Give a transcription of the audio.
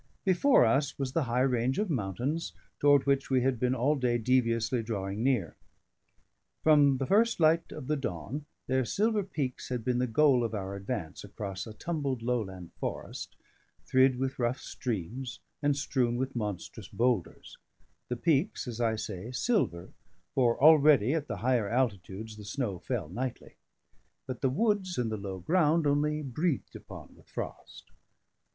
Before us was the high range of mountains toward which we had been all day deviously drawing near. From the first light of the dawn, their silver peaks had been the goal of our advance across a tumbled lowland forest, thrid with rough streams, and strewn with monstrous boulders; the peaks (as I say) silver, for already at the higher altitudes the snow fell nightly; but the woods and the low ground only breathed upon with frost.